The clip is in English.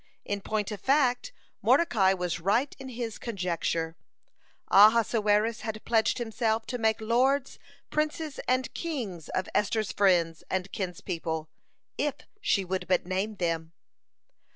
In point of fact, Mordecai was right in his conjecture; Ahasuerus had pledged himself to make lords, princes, and kings of Esther's friends and kinspeople, if she would but name them.